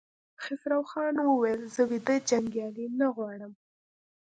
خسروخان وويل: زه ويده جنګيالي نه غواړم!